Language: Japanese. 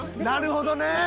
なるほどね！